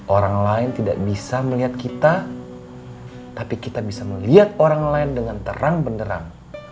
orang lain tidak bisa melihat kita tapi kita bisa melihat orang lain dengan terang benderang